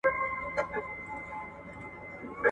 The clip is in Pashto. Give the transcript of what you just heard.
که لاس پاک وي نو حرام نه اخلي.